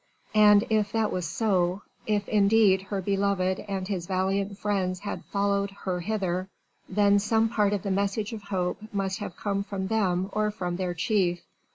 And if that was so if indeed her beloved and his valiant friends had followed her hither, then some part of the message of hope must have come from them or from their chief